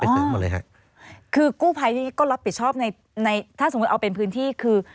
ไปเสริมหมดเลยค่ะคือกูภัยก็รับผิดชอบในในถ้าสมมุติเอาเป็นพื้นที่คือ